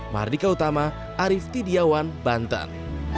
mardika utama arief tidiawan banten